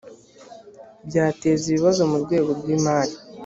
byateza ibibazo mu rwego rw imari